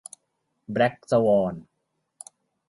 แบล็กสวอน